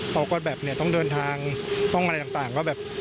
เขาก็แบบต้องเดินทางต้องอะไรต่าง